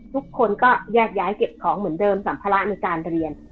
ทุกคนก็แยกย้ายเก็บของเหมือนเดิมสัมภาระในการเรียน